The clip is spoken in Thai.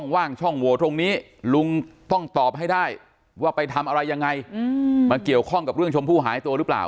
ว่าไปทำอะไรยังไงอืมมันเกี่ยวข้องกับเรื่องชมพู่หายตัวหรือเปล่า